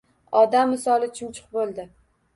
Odam misoli chumchuq bo‘ldi.